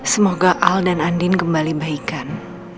semoga al dan andin kembali baikan